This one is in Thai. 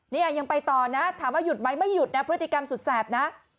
เนี่ยยังไปต่อนะถามว่าหยุดไหมไม่หยุดนะพฤติกรรมสุดแสบนะ